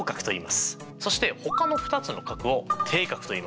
そしてほかの２つの角を底角といいます。